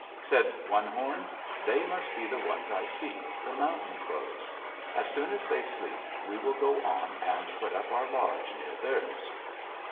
Said One Horn, 'They must be the ones I seek, the Mountain Crows. As soon as they sleep, we will go on and put up our lodge near theirs.'